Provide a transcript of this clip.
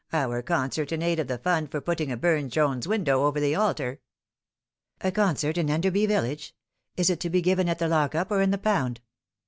Our concert in aid of the fund for putting a Bume Jones window over the altar." " A concert in Enderby village ? Is it to be given at the lock up or in the pound?"